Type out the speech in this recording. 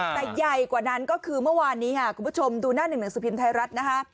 แต่ใหญ่กว่านั้นก็คือเมื่อวานนี้ค่ะคุณผู้ชมดูหน้าหนึ่งหนังสือพิมพ์ไทยรัฐนะคะ